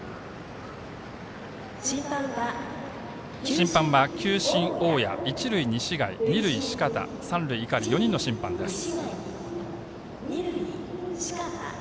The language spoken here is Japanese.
審判は球審、大屋一塁、西貝、二塁、四方三塁、井狩で４人の審判です。